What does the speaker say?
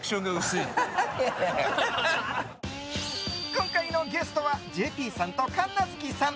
今回のゲストはＪＰさんと神奈月さん。